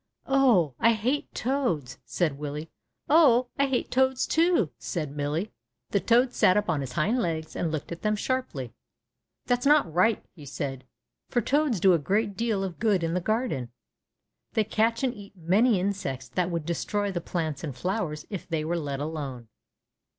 Oh ! I hate toads," said Willie. Oh ! I hate toads, too," said Millie. The toad sat up on his hind legs and looked at them sharply. That's not right," he said, ^^for toads do a great deal of good in the garden. They catch and eat many insects that would destroy the plants and flowers if they were let alone."